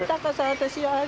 私。